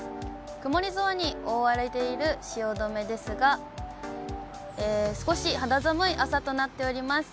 曇り空に覆われている汐留ですが、少し肌寒い朝となっております。